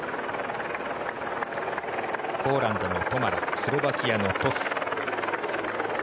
ポーランドのトマラスロバキアのトス。